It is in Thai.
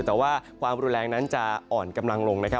แต่ว่าความรุนแรงนั้นจะอ่อนกำลังลงนะครับ